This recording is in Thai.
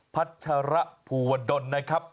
พัชระภูวดลนะครับ